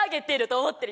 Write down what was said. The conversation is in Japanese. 思ってる。